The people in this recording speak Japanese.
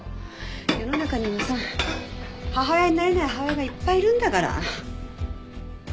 世の中にはさ母親になれない母親がいっぱいいるんだから。